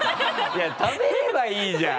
いや食べればいいじゃん。